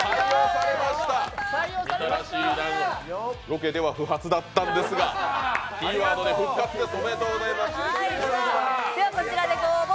ロケでは不発だったんですがキーワードで復活です。